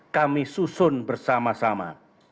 kami susun bersama sama